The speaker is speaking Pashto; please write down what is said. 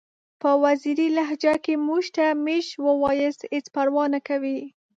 په وزیري لهجه کې که موږ ته میژ ووایاست هیڅ پروا نکوي!